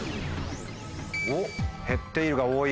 おっ「減っている」が多い。